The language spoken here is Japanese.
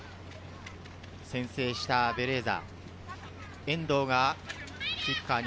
先制したベレーザ。